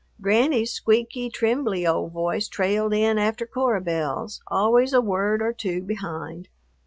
Granny's squeaky, trembly old voice trailed in after Cora Belle's, always a word or two behind.